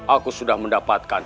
aku sudah mendapatkan